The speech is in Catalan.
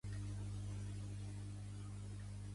El lambel generalment està situat al cap, llevat d'excepcions.